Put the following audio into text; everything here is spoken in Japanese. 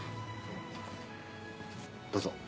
どうぞ。